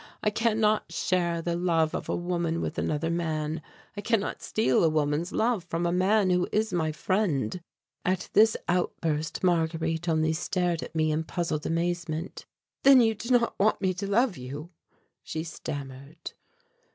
I cannot share the love of a woman with another man I cannot steal a woman's love from a man who is my friend " At this outburst Marguerite only stared at me in puzzled amazement. "Then you do not want me to love you," she stammered.